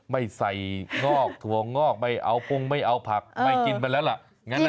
ไม่ใส่งอกถั่วงอกไม่เอาพุงไม่เอาผักไม่กินมาแล้วล่ะ